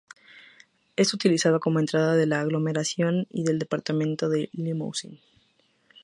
Es utilizado como entrada de la aglomeración y del departamento de Limousin.